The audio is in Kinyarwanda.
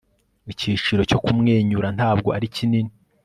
igiciro cyo kumwenyura ntabwo ari kinini